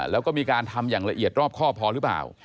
แล้วก็มีการทำอย่างละเอียดรอบครอบพอหรือเปล่า